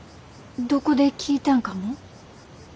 どこで聴いたんかも？